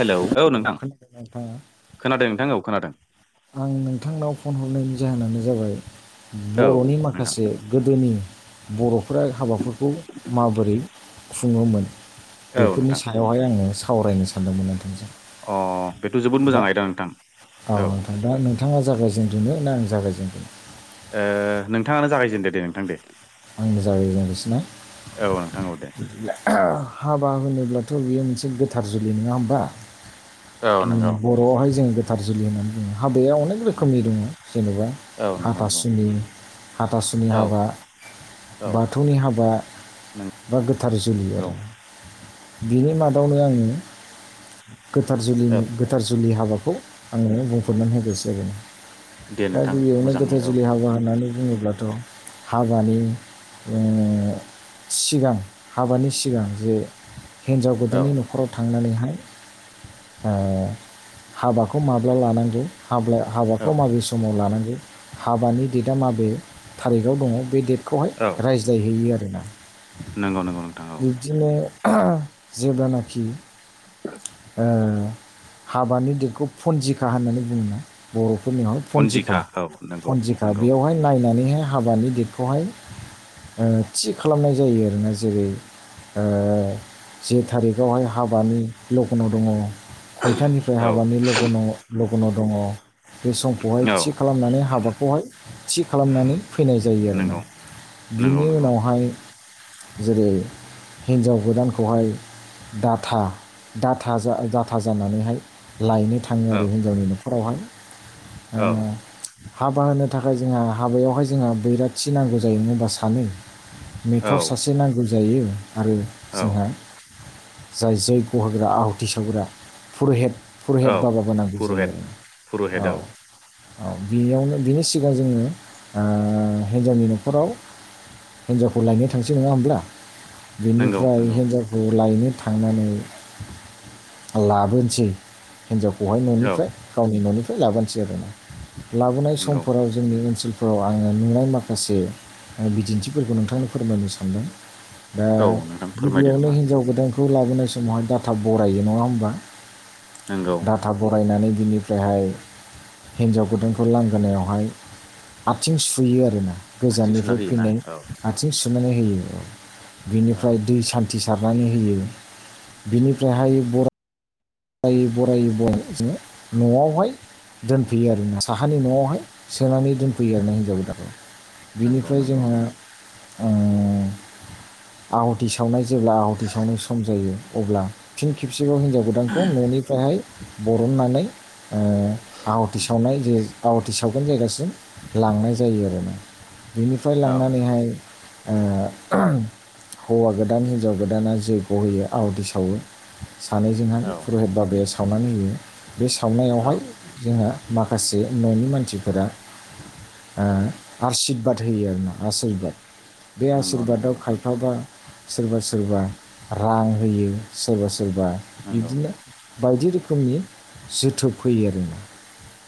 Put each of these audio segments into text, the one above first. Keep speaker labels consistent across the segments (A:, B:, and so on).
A: Hello औ नोंथां
B: खोनादों नोंथाङा
A: खोनादों नोंथां औ खोनादों
B: आं नोंथांनाव फन हरनायनि जाहोनानो जाबाय
A: औ
B: बर'नि
A: नोंथां
B: माखासे गोदोनि बर'फोरा हाबाफोरखौ माबोरै खुङोमोन
A: औ
B: बेफोरनि
A: नोंथां
B: सायावहाय आङो सावरायनो सानदोंमोन नोंथांजों
A: अ बेथ' जोबोद मोजां
B: दा
A: आयदा नोंथां औ
B: नोंथां दा नोंथाङा जागायजेनग्रोनो ना आं जागायजेनग्रोनो
A: ओ नोंथाङानो जागायजेनदो दे नोंथां दे
B: आंनो जागायजेननोसैना
A: औ नोंथां औ दे
B: बिदिब्ला हाबा होनोब्लाथ' बियो मोनसे गोथार जुलि नङा होमबा
A: औ
B: उम
A: नंगौ
B: बर'आवहाय जोङो गोथार जुलि होननानै बुङो हाबाया अनेक रोखोमनि दङ जेन'बा
A: औ नंगौ नंगौ
B: हाथासुनि हाथासुनि
A: औ
B: हाबा
A: औ
B: बाथौनि हाबा बा गोथार जुलि
A: नंगौ
B: आरो बिनि मादावनो आङो गोथार
A: औ
B: जुलिनि गोथार जुलि हाबाखौ आङो बुंफोरनानै होग्रोनोसै आरोना
A: दे
B: दा
A: नोंथां
B: गिबियावनो
A: मोजाङै
B: गोथार
A: औ
B: जोलुलि हाबा होननानै बुङोब्लाथ' हाबानि ओ सिगां हाबानि सिगां जे हिन्जाव
A: औ
B: गोदाननि न'खराव थांनानैहाय ओ हाबाखौ माब्ला लानांगौ हाब्ला
A: औ
B: हाबाखौ माबे समाव लानांगौ हाबानि डेटआ माबे थारिखाव दङ बे डेट बेखौहाय रायज्लायहैयो आरोना
A: नोंगौ नोंगौ नोंथां औ
B: बिब्दिनो जेब्लानाखि ओ हाबानि दिगखौ फन्जिखा होननानै बुङो ना बर' फोरनियावाय पन्जिखा
A: अन्जिखा औ नंगौ
B: पनजिखा
A: नंगौ
B: बेयावहाय नायनानैहाय हाबानि देदखौहाय ओ थि खालामनाय जायो आरोना जेरै ओ जि थारिखआवहाय हाबानि लगन'आव दङ खयथानिफ्राय
A: औ
B: हाबानि लगनाव लगन' दङ बे समखौहाय
A: औ
B: थि खालामनानै हाबाखौहाय थि खालामनानै फैनाय जायो आरोना
A: नंगौ नंगौ
B: बिनि
A: नंगौ
B: उनावहाय जेरै हिन्जाव गोदानखौहाय डाथा डाटा जा डाटा जानानैहाय लायनो थाङो
A: औ
B: आरो हिनजावनि न'खरावहाय औ हाबा होनो थाखाय जोंहा हाबायावहाय जोंहा बैराथि नांगौ जायो होनबा सानै
A: औ
B: मेटर सासे नांगौ जायो आरो
A: औ
B: जोंहा जाय जै ग होग्रा आहुथि सावग्रा पुर'हित फुरहित
A: औ
B: बाबाबो नांगौ जायो
A: पुर'हित
B: आरो औ औ बेयावनो बिनि सिगां जोङो ओ हिन्जावनि न'खराव हिनजावखौ लायनो थांसै नङा होमब्ला?
A: नंगौ
B: बेनिफ्राय
A: नंगौ
B: हिन्जावखौ लायनो थांनानै लाबोनोसै हिनजावखौहाय
A: औ
B: न'निफ्राय गावनि न'निफ्राय बेयो लाबानोसै लाबोनाय
A: नंगौ
B: समफोराव जोंनि ओनसोल फोराव आङो नुनाय माखासे बिदिन्थिफोरखौ नोंथांनो फोरमायनो सानदों। आ दा
A: औ नोंथां फोरमायदो
B: गिबियावनो
A: नामा
B: हिनजाव गोदान खौ लाबोनाय समावहाय डाटा बरायो नङा होमबा
A: नोंगौ
B: डाटा बरायनानै बिनिफ्रायहाय हिन्जाव गोदानखौ लांगोनायावहाय आथिं सुयो आरोना।
A: आथिं सुना
B: गोजाननिफ्राय
A: होयोना
B: फैनाय
A: औ
B: आथिं सुनानै होयो
A: औ
B: बेनिफ्राय दै सान थि सारनानै होयो बिनिफ्रायहाय बरा बरायै बरायै बरायै जोङो न'आवहाय दोनफैयो आरोना साहानि न'आवहाय सोनानै दोनफैयो आरो ना हिनजाव गोदानखौ
A: नंगौ
B: बिनिफ्राय
A: नंगौ
B: जोंहा आ आवाथि सावनाय जेब्ला आहाथि सावनो सम जायो अब्ला फिन खेबसेबाव हिन्जाव गोदानखौ न'निफ्रायहाय बरननानै आ आहाथि
A: उम
B: सावनाय जे आवाहाथि सावगोन जायगासिम लांनाय जायो आरो ना बेनिफ्राय
A: औ
B: लांनानैहाय आ हौवा गोदान हिन्जाव गोदाना जैग्य होयो आवदै सावो। सानैजोंहाय
A: औ
B: पुरहित बाबाया सावनानै होयो बे सावनायावहाय
A: औ
B: जोंहा माखासे न'नि मानसिफोरा आ आसिरबाद होयो आरो ना आसिरबाद बे
A: नंगौ नंगौ
B: आसिरबादाव
A: नोंथां
B: खायफाबा सोरबा सोरबा रां होयो सोरबा सोरबा
A: नंगौ
B: बिदिनो बायदि रोखोमनि जोथोब फैयो आरो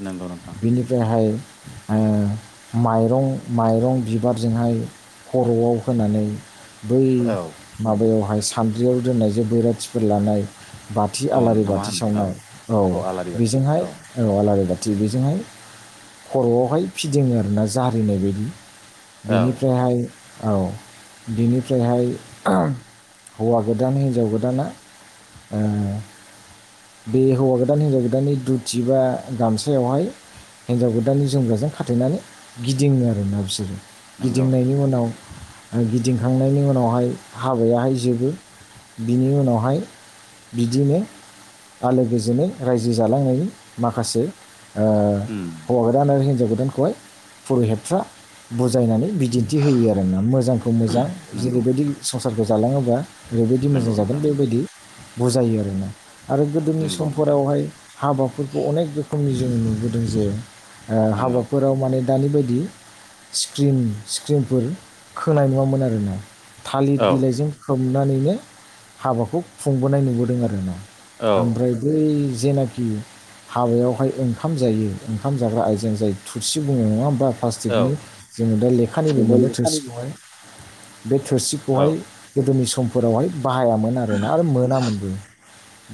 A: नंगौ नोंथां
B: बिनिफ्रायहाय ओ माइरं माइरं बिबारजोंहाय खर'आव होनानै बै
A: औ
B: माबायावहाय सान्द्रियाव दोननाय जे बैराथिफोर लानाय बा थि
A: दन
B: आलारि
A: ना मा
B: बाथि
A: होनो औ
B: सावनाय औ बेजोंहाय औ आलारि बा थि बेजोंहाय खर'आवहाय फिदिङो आरो ना जारिनाय बायदि
A: औ
B: बेनिफ्रायहाय औ बिनिफ्रायहाय हौवा गोदान हिनजाव गोदाना ए बे हौवा गोदान हिनजाव गोदाननि दुथि बा गामसायावहाय हिन्जाव गोदानानि जोमग्राजों खाथेनानै गिदिङो आरो ना बिसोरो
A: नंगौ
B: गिदिंनायनि
A: नंगौ
B: उनाव गिदिंखांनायनि उनावहाय हाबायाहाय जोबो बिनि उनावहाय बिदिनो आलो गोजोनै रायजो जालांनायनि माखासे ओ
A: उम
B: हौवा गोदान आरो हिनजाव गोदानखौहाय पुरुहेतफ्रा बुजायनानै बिदिन्थि होयो आरो ना मोजांखौ मोजां
A: नंगौ
B: जेरैबायदि संसारखौ जालाङोब्ला ओरैबायदि मोजां
A: नंगौ
B: जागोन
A: नोंथां नंगौ
B: बेबायदि बुजायो आरोना। आरो गोदोनि
A: नंगौ नोंथां
B: समफोरावहाय हाबाफोरखौ अनेक रोखोमनि जों नुबोदों जे ओ
A: नंगौ
B: हाबाफोराव माने दानि बायदि स्क्रिन स्क्रिनफोर खोनाय नङामोन आरो ना। थालिर
A: औ
B: बिलाइजों फोमनानैनो हाबाखौ खुंबोनाय नुबोदों आरो ना।
A: औ
B: ओमफ्राय बै जेनाखि हाबायावहाय ओंखाम जायो ओंखाम जाग्रा आयजें जाय थुरसि बुङो नङा होमबा?
A: औ
B: प्लाासटिकनि जोङो दा लेखानिबो मोनो थोरसिखौहाय बे
A: औ
B: थोरसिखौहाय गोदोनि समफोरावहाय बाहायामोन आरोना आरो मोनामोनबो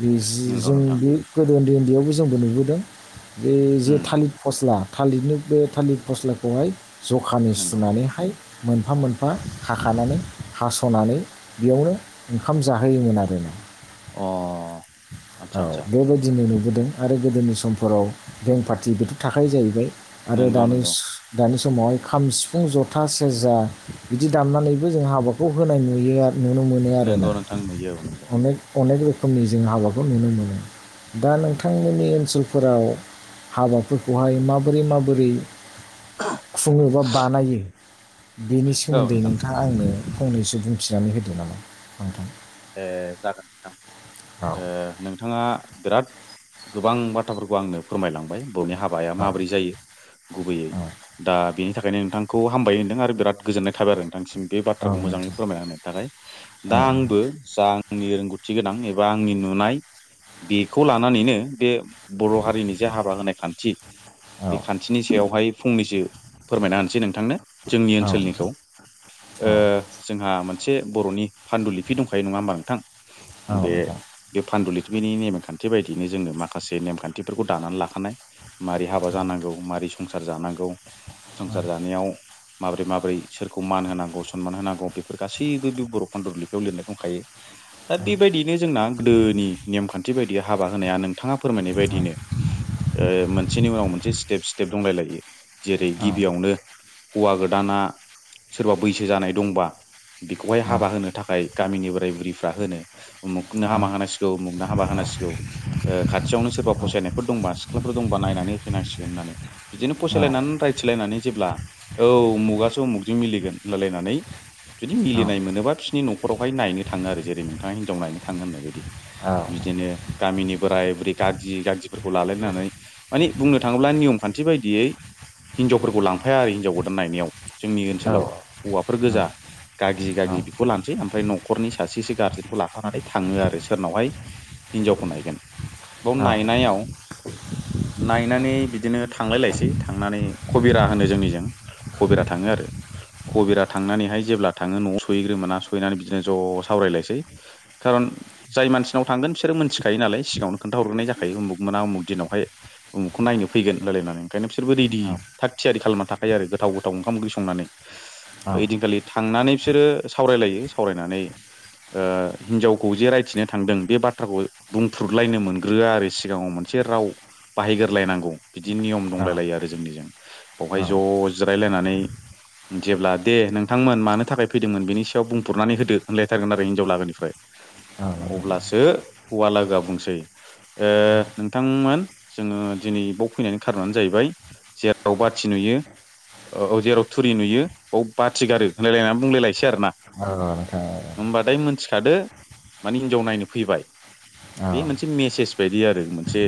B: बे
A: नंगौ
B: जों
A: नोंथां
B: बे गोदो उन्दै उन्दैयावबो जोंबो नुबोदों बे जे
A: उम
B: थालिर फस्ला थालिरनो बे थालिर फस्लाखौहाय जखानि
A: नंगौ
B: सुनानैहाय मोनफा मोनफा खानानै हास'नानै बेयावनो ओंखाम जाहोयोमोन आरोना
A: अ
B: औ
A: आदसा आदसा
B: बेबायदिनो नों गोदों आरो गोदोनि समफोराव बेन्ण पार्टि बेथ थाखायायो जाहैबाय आरो
A: नंगौ
B: दानिस
A: नंगौ
B: दानिस समावहाय खाम सिफुं जथा सेरजा बिदि दामनानैबो जों हाबाखौ होनाय नुयो आरो नुनो मोनो आरोना
A: नंगौ नोंथां नुयो औ नंगौ
B: अनेक अनेक बे खोमनि जों हाबाखौ नुनो मोनो दा
A: नंगौ
B: नोंथांमोननि ओनसोल फोराव हाबाफोरखौहाय माबोरै माबोरै खुङो बा बानायो बेनि
A: औ
B: सोमोन्दै
A: नोंथां
B: नोंथाङा आंनो फंनैसो बुंथिनानै होदो नामा नोंथां
A: ए जागोन
B: औ
A: नोंथां नोंथाङा बिराद गोबां बाथ्राफोरखौ आंनो फोरमायलांबाय बर'नि हाबाया माब्रै जायो गुबैयै
B: औ
A: दा बेनि थाखायनो नोंथांखौ हामबाय होन्दों आरो बिराद गोजोननाय थाबाय आरो नोंथांसिम बे बाथ्राखौ
B: औ
A: मोजाङै
B: नोंथां
A: फोरमायना होननि थाखाय दा
B: औ
A: आंबो
B: नोंथां
A: जा आंनि रोंगौथि गोनां एबा आंनि नुनाय बेखौ लानानैनो बे बर' हारिनि जे हाबा होनाय खान्थि बे
B: औ
A: खान्थिनि सायावहाय फंनैसो फोरमायना होनसै नोंथांनो जोंनि
B: औ
A: ओनसोलनिखौ
B: नोंथां औ
A: जोंहा मोनसे बर'नि फान्दु ललिफि दंखायो नङा होमबा नोंथां
B: औ
A: बे
B: नोंथां औ नोंथां
A: फान्दलिपिनि नेमखान्थि बायदियनो जोङो माखासे नेमखान्थिफोरखौ दानानै लाखानाय मारै हाबा जानांगौ मारै संसार जानांगौ संसार जानायाव माबोरै माबोरै सोरखौ मान होनांगौ सनमान होनांगौ बेफोर गासैबो बे बर' फन्दुलिपियाव लिरनाय दंखायो दा बेबायदियैनो जोंना गोदोनि नेमखान्थि बायदि हाबा होनाया नों बिथाङा फोरमायनाय बायदिनो मोनसेनि उनाव मोनसे स्टेप स्टेप दंलाय लायो जेरै गिबियावनो हौवा गोदाना सोरबा बैसो जानाय दंबा बेखौहाय हाबा होनो थाखाय गामिनि बोराय बुरिफ्रा होनो उमुगनो हाबा होनांसिगौ उमुगनो हाबा होनांसिगौ खाथियावनो सोरबा फसायनायफोर दंबा सिख्लाफोर दंबा नायनानै फनांसिगोन होननानै बिदिनो फसायलायनानै रायथिलायनानै जेब्ला औ अमुगासो उमुखजों मिगोननानै जुदि मिनाय मोनोबा बिसोरनि न'खर खखरावहाय नायनो थाङो आरो जेरै नोंथाङा हिनजाव नायनो थाङो होननाय बायदि बिदिनो गामिनि बोराय बुरै गागि गागिफोरखौ लालायायनानै माने बुंनो थाङोब्ला नियम खान्थि बायदियै हिन्जावफोरखौ लांफाया आरो हिन्जाव गोदान नायनायाव जोंनि ओनसोलाव हौवाफोर गोजा गागि गागि बेखौ लानोसै ह न'खरनि सासेसो गारजेनखौ लाफानानै थाङो आरो सोरनावहाय हिनजावखौ नायगोन बेयाव नायनायाव नायनानै बिदिनो थांलायलायसै थांनानै कबिरा होनो जोंनिजों कबिरा थाङो आरो कबिरा थांनानैहाय जेब्ला थाङो न'आव सहैग्रोोना सुैनानै बिदिनो ज' सावरायलायनोसै खारन जाय मानसिनाव थांगोन बिसोरो मोनथिखायो नालाय सिगाङावनो खोन्थ हग्रोन जायाखै उमुग मोना उमु दिनावाय उमुगखौ नायनो फैगोनायलायनानै ओंखायनो बिसोरबो रेडि थि खालामना थाखायायो आरो गोथाव गोथाव ओंखाम ओंख्रि संनानै ओदिनखालि थांनानै बिसोरो सावरायलायो सावरायनानै हिनजावखौ जे रायथिनो थांदों बे बाथ्राखौ बुंफ्रलायनो मोनग्रोआ आरो सिगाङाव मोनसे मोनसे राव बाहायग्रलायनांगौ बिदि नियम दंलायलायो आरो जोंनिजों बावहाय ज' जिरायलायनानै जेब्ला दे नोंथांमोन मानो थाखाय फैदोंमोन बेनि सायाव बुं बुरनानै होदो होनलायथारगोन आरो हिनजाव लागोनिफ्राय अब्लासो हौवा लोगोआ बुंसै नोंथांमोन जोङो दिनै बेयाव फैनानै खारनानो जाहैबाय जेराव बाथि नुयो औ जेराव थुरि नुयो बयाव बाथि गारो होनलायलायनानै बुंलायलायसै आरो ना
B: ओ ओ
A: खादो माने हिनजाव नायनो फैबाय बे मोनसे मेसेज बायदि आरो मोनसे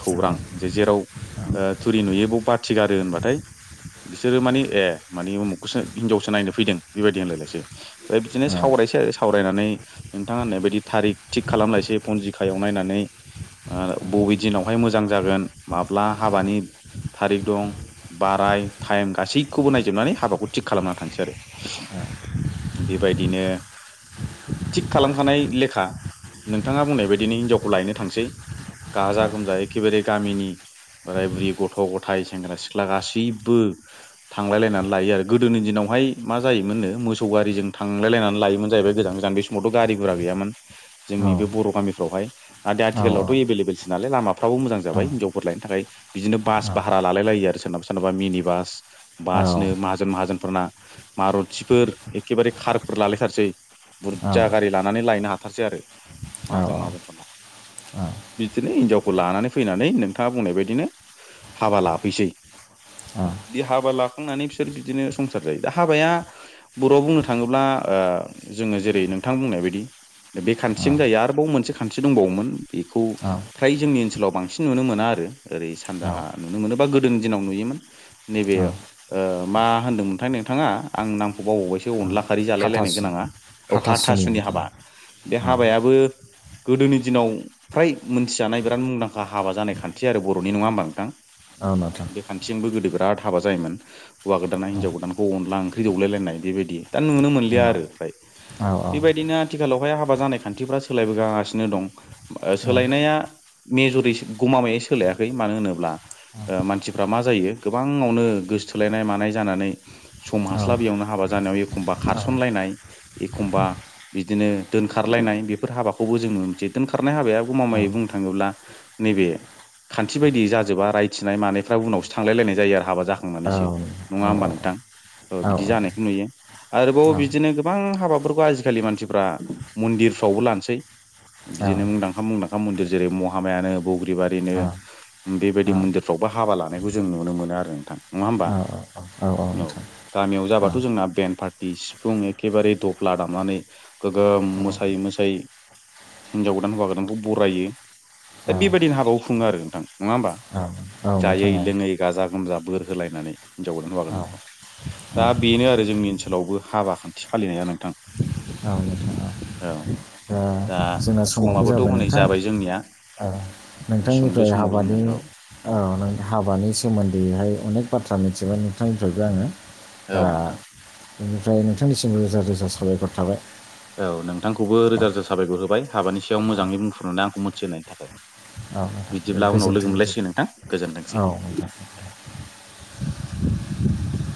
A: खौरां जे जेराव थुरि नुयो बाथि गार होनबाथाय बिसोरो माने ए मानि उमुखखौसो हिनजावसो नायनो फैदों बेबायदि होनलायनायसै ओमफ्राय बिदिनो सावरायसै आरो सावरायनानै नोंथाङा होननाय बायदि थारिख थिग खालामलायसै पनजिखायाव नायनानै बबे दिनावहाय मोजां जागोन माब्ला हाबानि थारिख दं बाराय टाइम गासैखौबो नायजोबनानै हाबाखौ थिग खालामनानै थांसै आरो
B: [inaudible]
A: बेबायदिनो थिग खालामखानाय लेखा नोंथाङा बुंनाय बायदिनो हिनजावखौ लायनो थांसै गाजा गोमजा एखेबारे गामिनि बोराय बुरै गथ' गथाय सेंग्रा सिख्ला गासैबो थांलायलायनानै लायो आरो गोदोनि दिनाव हाय मा जायोमोननो मोसौ गारि गारिजों थांलाय लायनानै लायोमोन जाहैबाय गोजान गोजान बे समावथ' गारि गुरा गैयामोन जोंनि बे बर' गामिफ्रावहाय आ दा आथिखालावथ' एभेलेबेलसै लाय लामाफ्राबो मोजां जाबाय हिनजावफोर लायनो थाखाय बिदिनो बास भारा लालाय लायो आरो सोरनाबा सोरनाबा मिनि बास बासनो माहाजोन माहाजोनफोरना मार'थिफोर एखेबारे खारफोर लालायथारसै बुरजा गारि लानानै लायनो हाथारसै आरो माहाजोन माहाजोनफोरना बिदिनो हिनजावखौ लानानै फैनानै नोंथाङा बुंनाय बायदिनो हाबा लाफैसै
B: [inaudible]
A: बिदि हाबा लाखांनानै बिसोर बिदिनो संसार जायो दा हाबाया बर'आव बुंनो थाङोब्ला जोङो जेरै नोंथां बुंनाय बायदि बे खानथिजों जायो आरोबाव मोनसे खानथि दंबावोमोन बेखौ फ्राय जोंनि ओनसोलाव बांसिन नुनो मोना आरो एरै सानजाहा नुनो मोनोबा गोदोनि दिनाव नुयोमोन नैबे मा होनदों मोनथाय नोंथाङा आं नामखौ बावबावबायसो अनला खारि जालाय लायनाय
B: हाथासु
A: गोनाङा औ हाथासुनि हाबा बे
B: औ
A: हाबायाबो गोदोनि दिनाव फ्राय मोनथिजानाय बिराद मुंदांखा हाबा जानाय खानथि आरो बर'नि नङा होमबा नोंथां
B: औ नोंथां
A: बे खानथिजोंबो गोदोबाय बिराद हाबा जायोमोन हौवा गोदाना हिनजाव गोदानखौ अनला ओंख्रि दौलायलायनाय बेबायदि दा नुनो
B: औ
A: मोनलिया आरो फ्राय
B: औ
A: बेबायदिनो आथिखालावहाय हाबा जानाय खानथिफ्रा सोलायबोगासिनो दं सोलायनाया मेजरि सोलायाखै मानो होनोब्ला मानसिफ्रा मा जायो गोबांयावनो गोसोथोलायनाय माजानाय सम
B: औ
A: हास्लाबैयावनो हाबा जानायाव एखमबा खारसनलायनाय एखमबा बिदिनो दोनखारलायनाय बेफोर हाबाखौबो जोंनो मोनसे दोनखारनाय हाबाया गमामायै बुंनो थाङोब्ला नैबे खान्थि बायदि जाजोबा रायथिनाय मानायफ्रा उनावसो थांलाय लायनाय जायो आरो हाबा जा जाखांनानैसो नङा
B: औ
A: होमबा नोंथां
B: औ औ
A: बिदि जानायखौ नुयो आरोबाव बिदिनो गोबां हाबाफोरखौ आजिखालि मानसिफ्रा मन्दिरफ्रावबो लानोसै बिदिनो मुंदांखा मुंदांखा मन्दिर जेरै महामायानो बग्रिबारिनो बेबायदि
B: औ
A: मन्दिरफ्राव बा हाबा लानायखौ जों नुनो मोनो आरो नोंथां नङा होमबा औ गामियाव जाबाथ' जोंना बेन पार्टि सिफुं एखेबारे दफ्ला दामनानै गोगोम मोसायै मोसायै हिनजाव गोदान हौवा गोदानखौ बरायो दा बेबायदिनो हाबाखौ खुङो आरो नोंथां नङा होमबा जायै लोङै गाजा जा बोर होलायनानै हिनजाव गोदान हौवा गोदानखौ दा बेनो आरो जोंनि ओनसोल ओनसोलावबो हाबा खान्थि फालिनाया नोंथां
B: औ नोंथां औ
A: औ दा
B: जोंना समाबो
A: समाबोथ'
B: जाबाय
A: हनै
B: नोंथां
A: जोंनिया सुंद'
B: नोंथांनिफ्राय
A: समाव जोङो
B: हाबानि
A: औ
B: औ नोंनि हाबानि सोमोनदैहाय अनेक बाथ्रा मिथिबाय नोंथांनिफ्रायबो आङो
A: औ
B: दा
A: नोंथां
B: बेनिफ्राय नोंथांनिसिमबो रोजा रोजा साबायखर थाबाय।
A: औ नोंथांखौबो रोजा रोजा साबायखर होबाय हाबानि सायाव मोजाङै बुंफुनानै आंखौ मोनथिहोनायनि थाखाय।
B: औ नोंथां
A: बिदिब्ला उनाव लोगो
B: गोजोनथों
A: मोनलायसिगोन नोंथां गोजोनथोंसै
B: औ नोंथां। [inaudible]